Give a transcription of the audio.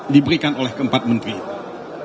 diberikan oleh keempat menteri itu